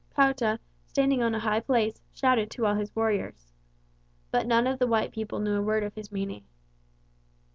Pouta, standing on a high place, shouted to all his warriors. But none of the white people knew a word of his meaning.